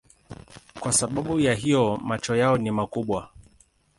Kwa sababu ya hiyo macho yao ni makubwa.